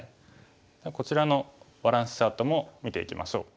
こちらのバランスチャートも見ていきましょう。